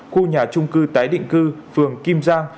khu nhà trung cư tái định cư phường kim giang